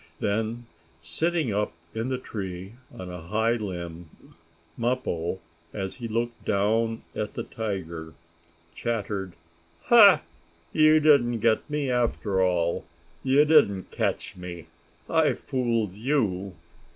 Then, sitting up in the tree on a high limb, Mappo, as he looked down at the tiger, chattered: "Ha! You didn't get me after all! You didn't catch me! I fooled you!